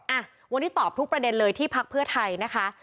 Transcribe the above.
อ่ะวันนี้ตอบทุกประเด็นเลยที่พักเพื่อไทยนะคะ